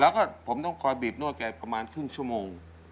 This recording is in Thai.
แล้วก็ผมต้องคอยบีบนวดแกประมาณครึ่งชั่วโมง